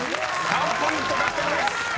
３ポイント獲得です］